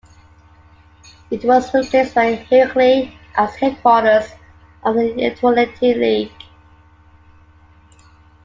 It was replaced by Heraclea as headquarters of the Italiote League.